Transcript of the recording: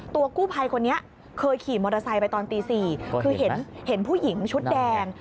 ตัวกู้ภัยคนนี้เคยขี่มอเตอร์ไซค์ไปตอนตี๔คือเห็นผู้หญิงชุดแดง